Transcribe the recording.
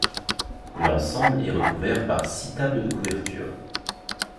L'ensemble est recouvert par six tables de couverture.